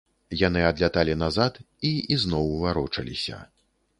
Яны адляталі назад і ізноў варочаліся.